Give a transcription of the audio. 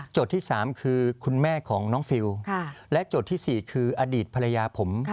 โจทย์ที่สามคือคุณแม่ของน้องฟิลล์และโจทย์ที่สี่คืออดีตภรรยาผม